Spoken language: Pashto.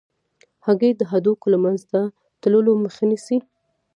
هګۍ د هډوکو له منځه تلو مخه نیسي.